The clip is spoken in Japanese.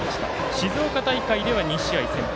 静岡大会では２試合先発。